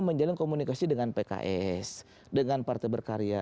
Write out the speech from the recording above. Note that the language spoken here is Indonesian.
menjalin komunikasi dengan pks dengan partai berkarya